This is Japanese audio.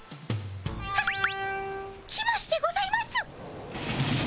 はっ来ましてございます。